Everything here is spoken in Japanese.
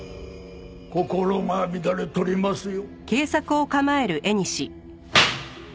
心が乱れとりますよ。